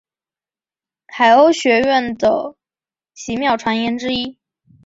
海鸥学园的奇妙传言之一。